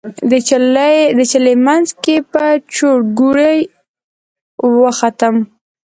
د چلې منځ کې په چورګوړي وختم.